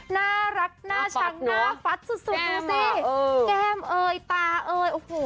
น่ารักน่าชังน่าฟัดสุดสุดแก้มอ่ะเออแก้มเอ๋ยตาเอ๋ยโอ้โห